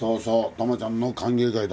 タマちゃんの歓迎会だ。